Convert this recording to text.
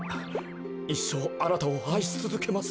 いっしょうあなたをあいしつづけます。